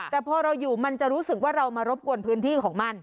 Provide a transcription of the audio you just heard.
แต่พอเราอยู่มันจะรู้สึกว่าเรามารบกวนพื้นที่ของมัน